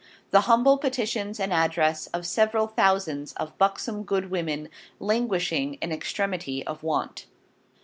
The Humble Petition and Address of several Thousands of Buxome Good Women, Languishing in Extremity of Want.